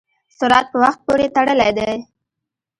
سرعت په وخت پورې تړلی دی.